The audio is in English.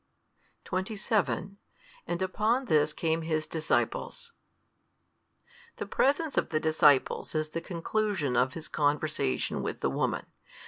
27 And upon this came His disciples The presence of the disciples is the conclusion of His |221 conversation with the woman.